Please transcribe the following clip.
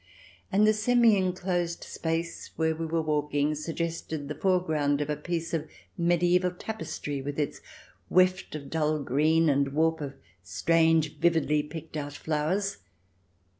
And the semi enclosed space where we were walking suggested the foreground of a piece of medieval tapestry, with its weft of dull green and warp of strange, vividly picked out flowers.